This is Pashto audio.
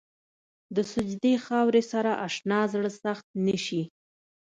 د سجدې خاورې سره اشنا زړه سخت نه شي.